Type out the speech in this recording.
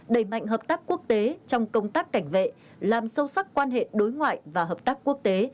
đẩy mạnh hợp tác quốc tế trong công tác cảnh vệ làm sâu sắc quan hệ đối ngoại và hợp tác quốc tế